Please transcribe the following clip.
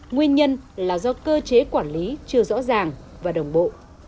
nguyên nhân là do cơ chế quản lý chưa rõ ràng và đồng bộ